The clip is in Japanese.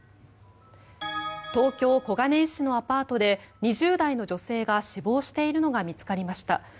東京・小金井市のアパートで２０代の女性が死亡しているのが見つかりました。